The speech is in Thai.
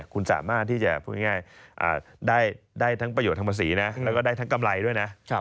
คุณสามารถที่จะได้ทั้งประโยชน์ทั้งภาษีแล้วก็ได้ทั้งกำไรด้วย